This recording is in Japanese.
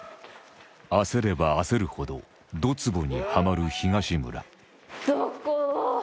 焦れば焦るほどどつぼにはまる東村どこ？